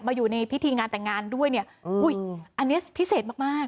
อยู่ในพิธีงานแต่งงานด้วยเนี่ยอุ้ยอันนี้พิเศษมากมาก